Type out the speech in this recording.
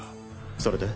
それで？